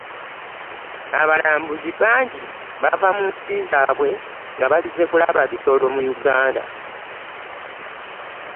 Abalambuzi bangi bava mu nsi zaabwe nga bazze kulaba bisolo mu Uganda.